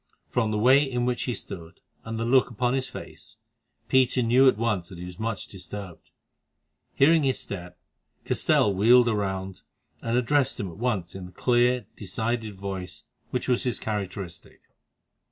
From the way in which he stood, and the look upon his face, Peter knew at once that he was much disturbed. Hearing his step, Castell wheeled round and addressed him at once in the clear, decided voice which was his characteristic.